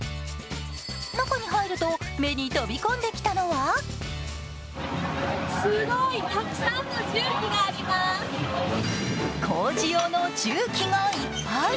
中に入ると目に飛び込んできたのは工事用の重機がいっぱい。